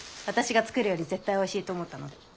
私が作るより絶対おいしいと思ったので。